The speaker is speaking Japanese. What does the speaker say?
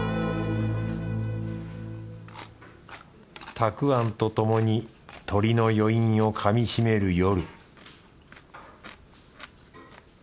たくあんとともにとりの余韻をかみしめる夜